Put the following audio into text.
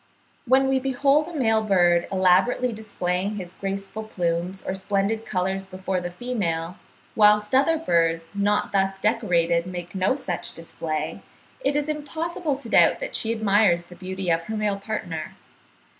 When we behold a male bird elaborately displaying his graceful plumes or splendid colours before the female, whilst other birds, not thus decorated, make no such display, it is impossible to doubt that she admires the beauty of her male partner.